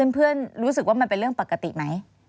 รู้สึกว่ามันเป็นเรื่องปกติไหม